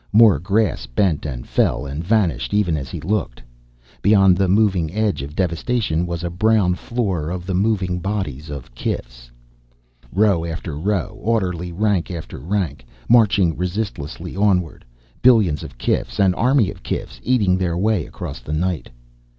More grass bent, and fell, and vanished, even as he looked. Beyond the moving edge of devastation was a brown floor of the moving bodies of kifs. Row after row, orderly rank after orderly rank, marching resistlessly onward. Billions of kifs, an army of kifs, eating their way across the night.